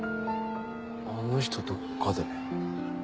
あの人どっかで。